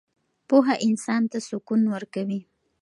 پوهه انسان ته سکون ورکوي.